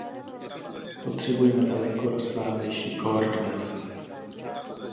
Potřebujeme daleko rozsáhlejší koordinaci.